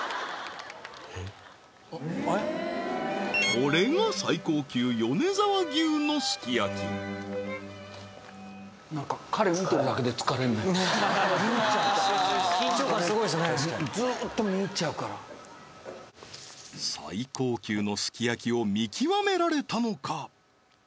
これが最高級米沢牛のすき焼きなんか彼ねえ見入っちゃったずっと見入っちゃうから最高級のすき焼きを見極められたのか？